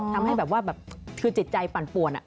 ทำให้แบบว่าแบบคือจิตใจปั่นป่วน